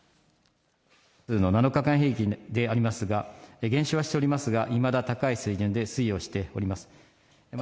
７日間平均でありますが、減少はしておりますが、いまだ高い水準で推移をしております。